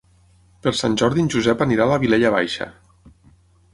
Per Sant Jordi en Josep anirà a la Vilella Baixa.